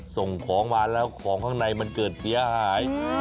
ส่งของมาแล้วของข้างในมันเกิดเสียหาย